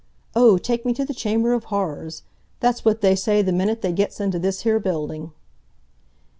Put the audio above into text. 'Oh, take me to the Chamber of Horrors'—that's what they say the minute they gets into this here building!"